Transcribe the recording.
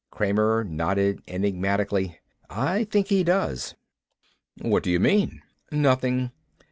Kramer nodded enigmatically. "I think he does." "What do you mean?" "Nothing."